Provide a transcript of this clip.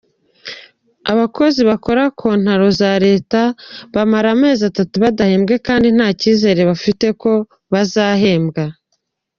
Abakozi bakora contaro za Leta bamara amezi atatu badahembwa kandi ntanicyizere bafite ko bazahembwa.